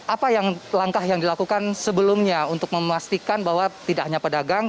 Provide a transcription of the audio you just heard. apa langkah yang dilakukan sebelumnya untuk memastikan bahwa tidak hanya pedagang